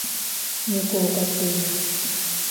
猫を飼っています